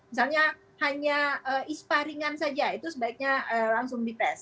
misalnya hanya ispa ringan saja itu sebaiknya langsung dites